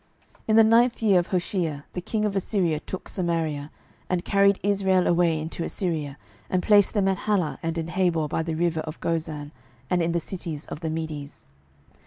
12:017:006 In the ninth year of Hoshea the king of Assyria took Samaria, and carried Israel away into Assyria, and placed them in Halah and in Habor by the river of Gozan, and in the cities of the Medes.